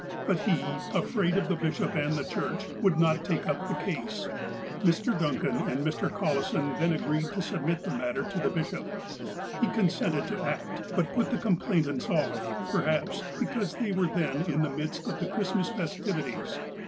But he, afraid of the bishop and the Church, would not take up the case. Mr. Duncan and Mr. Collison then agreed to submit the matter to the bishop. He consented to act, but put the complainants off, perhaps, because they were then in the midst of the Christmas festivities.